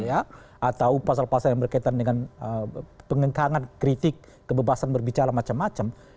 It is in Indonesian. atau pasal pasal yang berkaitan dengan pengengkangan kritik kebebasan berbicara macam macam